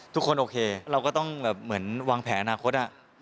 โอเคเราก็ต้องแบบเหมือนวางแผนอนาคต